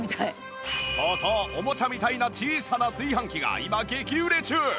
そうそうオモチャみたいな小さな炊飯器が今激売れ中